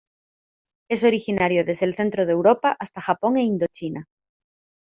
Es originario desde el centro de Europa hasta Japón e Indochina.